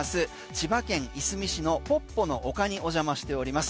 千葉県いすみ市のポッポの丘にお邪魔しております。